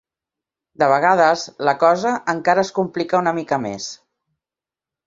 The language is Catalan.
De vegades la cosa encara es complica una mica més.